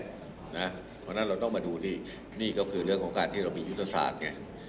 เพราะฉะนั้นเราต้องมาดูที่นี่ก็คือเรื่องของการที่เรามียุทธศาสตร์ไง